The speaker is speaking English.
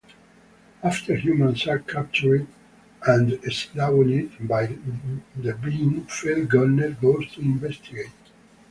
After humans are captured and swallowed by the being, Phil Gottner goes to investigate.